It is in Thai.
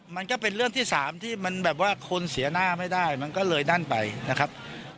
มันก็เป็นเรื่องที่สามที่มันแบบว่าคนเสียหน้าไม่ได้มันก็เลยนั่นไปนะครับ